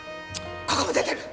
ここも出てる！